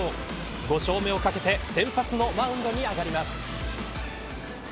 ５勝目を懸けて先発のマウンドに上がります。